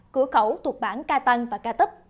cửa khẩu thuộc bảng ca tăng và ca tấp